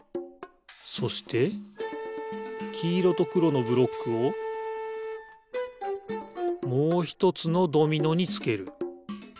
そしてきいろとくろのブロックをもうひとつのドミノにつける。